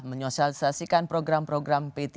menyosialisasikan program program p tiga